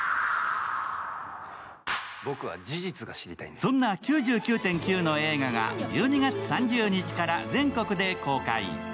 そんな「９９．９」の映画が１２月３０日から全国で公開。